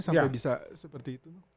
sampai bisa seperti itu